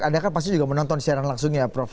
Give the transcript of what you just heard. anda kan pasti juga menonton siaran langsung ya prof